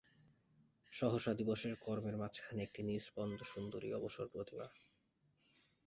সহসা দিবসের কর্মের মাঝখানে একটি নিষ্পন্দসুন্দরী অবসরপ্রতিমা।